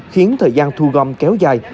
khiến thời gian thu gom kéo dài